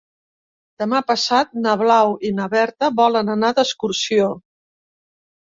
Demà passat na Blau i na Berta volen anar d'excursió.